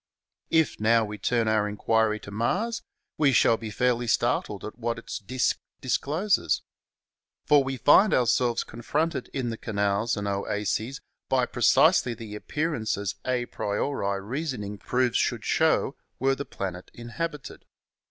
If, now, we turn our inquiry to Mars, we shall be fairly startled at what its disk discloses. For we find ourselves confronted in the canals and oases by pre cisely the appearances a priori reasoning proves should show were the planet inhabited.